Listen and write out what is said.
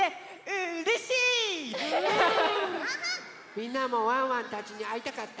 みんなもワンワンたちにあいたかった？